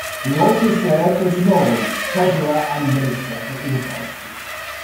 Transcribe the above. He also served as his own Treasurer and Minister for Immigration.